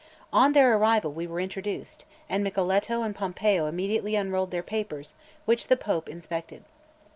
On their arrival we were introduced, and Micheletto and Pompeo immediately unrolled their papers, which the Pope inspected.